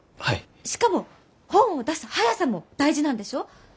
しかも本を出す速さも大事なんでしょう？